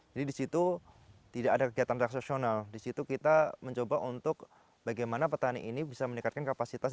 jadi disitu tidak ada kegiatan transaksional disitu kita mencoba untuk bagaimana petani ini bisa meningkatkan kapasitas